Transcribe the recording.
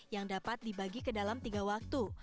yang dapat dibagi ke dalam tiga waktu